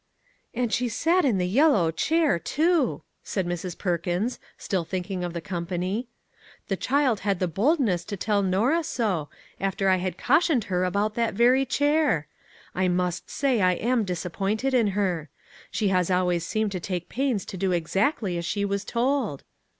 " And she sat in the yellow chair, too !" said Mrs. Perkins, still thinking of the company. " The child had the boldness to tell Norah so, after I had cautioned her about that very chair ! I must say I am disappointed in her. She has always seemed to take pains to do exactly as she was told."